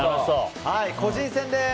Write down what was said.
個人戦です。